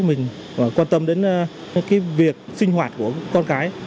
mình quan tâm đến cái việc sinh hoạt của con cái